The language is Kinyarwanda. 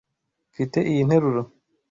Nfite iyi nteruro.